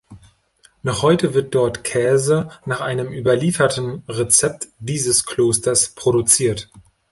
Noch heute wird dort Käse nach einem überlieferten Rezept dieses Klosters produziert.